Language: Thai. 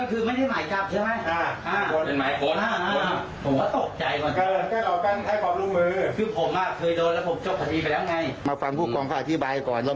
เรามีฐานะเป็นอะไรที่นี่อยู่เป็นอะไร